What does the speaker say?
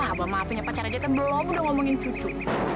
abah mah punya pacar aja teh belum udah ngomongin cucu